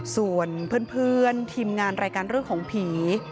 ส่วนเพื่อนทีมงานรายการเรื่องของผี